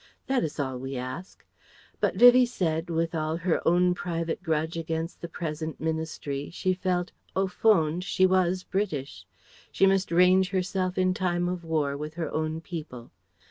That is all we ask." But Vivie said "with all her own private grudge against the present ministry she felt au fond she was British; she must range herself in time of war with her own people."